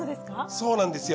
そうなんですよ。